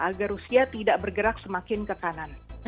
agar rusia tidak bergerak semakin ke kanan